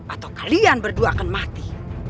atau kalian berdua akan mati